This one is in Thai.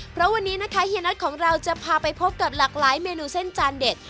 เพราะวันนี้นะคะเฮียน็อตของเราจะพาไปพบกับหลากหลายเมนูเส้นจานเด็ด